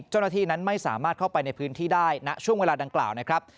เจ้าหน้าที่นั้นไม่สามารถเข้าไปในพื้นที่ได้ณช่วงเวลาดังกล่าวนะครับ